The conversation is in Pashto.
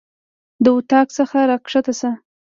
د اطاق څخه راکښته سه.